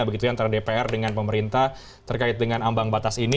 begitu antara dpr dengan pemerintah terkait dengan ambang batas ini